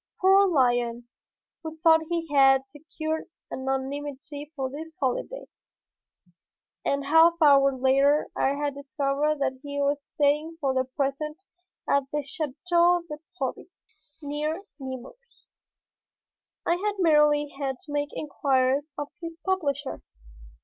Poor lion, who thought he had secured anonymity for his holiday! A half hour later I had discovered that he was staying for the present at the Château de Proby, near Nemours. I had merely had to make inquiries of his publisher.